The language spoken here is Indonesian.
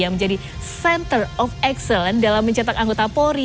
yang menjadi center of excellence dalam mencetak anggota polri